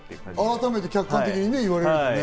改めて客観的にいわれるとね。